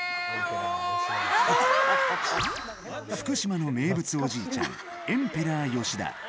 福島の名物おじいちゃんエンペラー吉田。